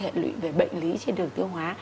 hệ lụy về bệnh lý trên đường tiêu hóa